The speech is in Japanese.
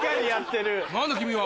何だ君は！